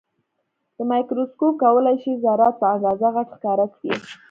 دا مایکروسکوپ کولای شي ذرات په اندازه غټ ښکاره کړي.